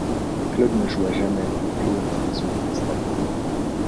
Le club ne joua jamais dans les plus hautes divisions est-allemandes.